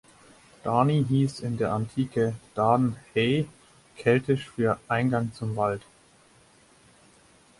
Darney hieß in der Antike "Daren Haye", keltisch für "Eingang zum Wald".